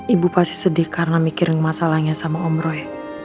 ibu pasti sedih karena mikirin masalahnya sama om roy